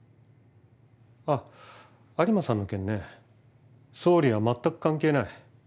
あっ有馬さんの件ね総理は全く関係ない。